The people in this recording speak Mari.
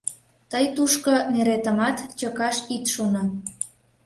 — Тый тушко неретымат чыкаш ит шоно...